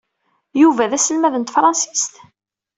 Yuba d aselmad n tefṛansit?